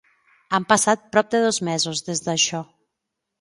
Han passat prop de dos mesos des d'això.